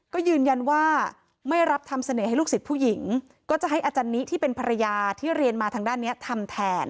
ก็ยืนยันว่าไม่รับทำเสน่ห์ให้ลูกศิษย์ผู้หญิงก็จะให้อาจารย์นิที่เป็นภรรยาที่เรียนมาทางด้านนี้ทำแทน